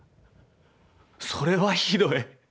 それはひどい。